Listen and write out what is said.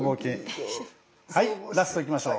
はいラストいきましょう。